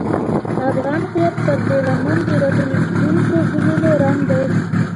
افغان هویت پر دې لمن د راټوکېدونکو ګلونو رنګ دی.